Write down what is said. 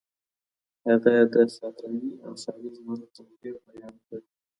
هغه د صحرایي او ښاري ژوند توپیر بیان کړ.